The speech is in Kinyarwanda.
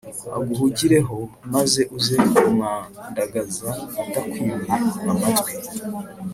aguhugire ho maze uze ku mwa ndagaza atakwimye a matwi